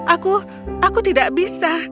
aku aku tidak bisa